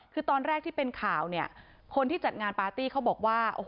คือตอนแรกที่เป็นข่าวเนี่ยคนที่จัดงานปาร์ตี้เขาบอกว่า